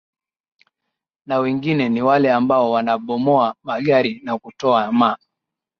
na wengine ni wale ambao wanabomoa magari na kutoa ma